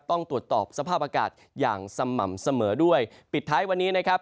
ต้องตรวจสอบสภาพอากาศอย่างสม่ำเสมอด้วยปิดท้ายวันนี้นะครับ